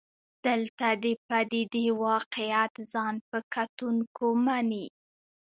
دلته د پدیدې واقعیت ځان په کتونکو مني.